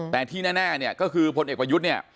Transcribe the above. แต่ที่แน่ก็คือพลเอกประยุทธ์